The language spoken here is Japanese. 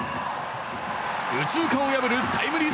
右中間を破るタイムリー